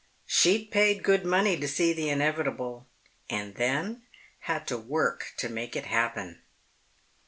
] She'd paid good money to see the inevitable ... and then had to work to make it happen!